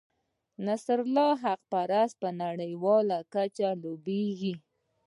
نصرت حقپرست په نړیواله کچه لوبیږي.